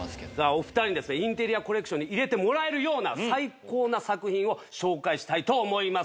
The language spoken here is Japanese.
お２人にインテリアコレクションに入れてもらえるような最高な作品を紹介したいと思います。